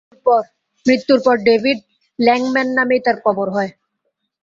মৃত্যুর পর David Langman নামেই তাঁর কবর হয়।